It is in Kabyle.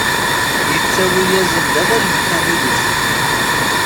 Yettawi-asen-d ala lemḥani d usemmiḍ.